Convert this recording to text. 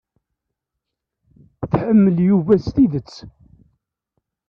Tḥemmel Yuba s tidet.